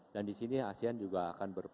dan di sini asean juga akan berhasil